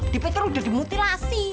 dipikir udah dimutilasi